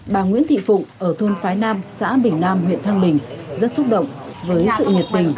bà nguyễn thị phụng ở thôn phái nam xã bình nam huyện thăng bình rất xúc động với sự nhiệt tình